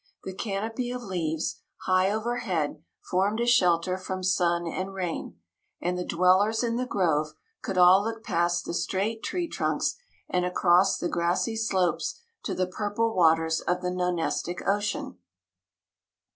The canopy of leaves, high overhead, formed a shelter from sun and rain, and the dwellers in the grove could all look past the straight tree trunks and across the grassy slopes to the purple waters of the Nonestic Ocean.